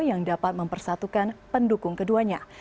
yang dapat mempersatukan pendukung keduanya